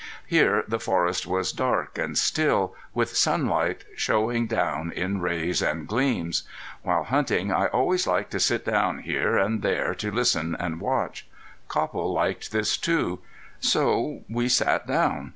Here the forest was dark and still, with sunlight showing down in rays and gleams. While hunting I always liked to sit down here and there to listen and watch. Copple liked this too. So we sat down.